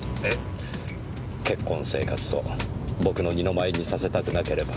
結婚生活を僕の二の舞にさせたくなければ。